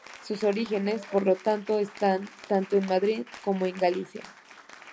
Sus orígenes, por lo tanto, están tanto en Madrid como en Galicia.